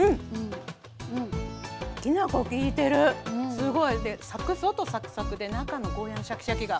すごい！で外サクサクで中のゴーヤーのシャキシャキが。